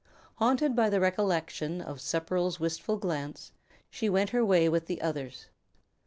Haunted by the recollection of Sepperl's wistful glance, she went her way with the others.